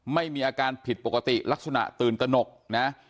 ไม่มีอาการผิดปกติลักษณะตื่นตนกนะ